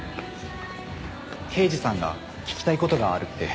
刑事さんが聞きたい事があるって。